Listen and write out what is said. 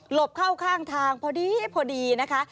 หลบเข้าข้างทางพอดีนะคะ